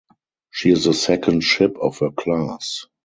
She is the second ship of her class.